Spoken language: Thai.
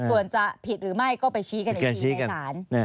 ส่วนจะผิดหรือไม่ก็ไปชี้กัน